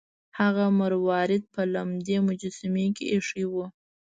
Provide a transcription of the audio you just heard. هغه مروارید په لمدې مجسمې کې ایښی و.